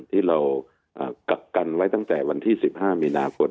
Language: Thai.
ที่เรากักกันไว้ตั้งแต่วันที่๑๕มีนาคม